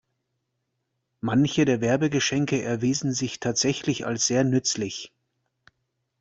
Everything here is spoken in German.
Manche der Werbegeschenke erwiesen sich tatsächlich als sehr nützlich.